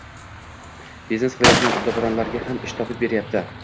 biznes qilayotgan uddaburonlarga ham ish topib beryapti.